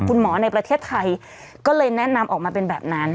ในประเทศไทยก็เลยแนะนำออกมาเป็นแบบนั้น